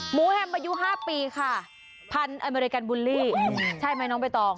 หมูแฮมประยุ๕ปีค่ะพันธุ์อเมริกันบูลลี่ใช่มั้ยน้องเบตอง